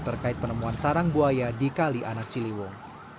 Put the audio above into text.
terkait penemuan sarang buaya di kali anak ciliwung